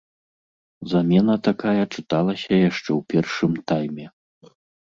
Замена такая чыталася яшчэ ў першым тайме.